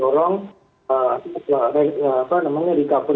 lalu kejahatan kejahatan mice dan iben